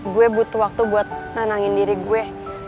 gue butuh waktu buat nenangin diri gue